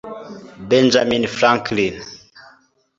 benjamin franklin